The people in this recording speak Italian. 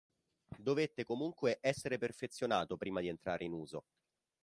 Dovette comunque essere perfezionato prima di entrare effettivamente in uso.